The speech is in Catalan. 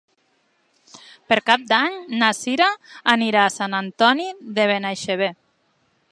Per Cap d'Any na Cira anirà a Sant Antoni de Benaixeve.